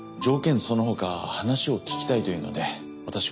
条件その他話を聞きたいというので私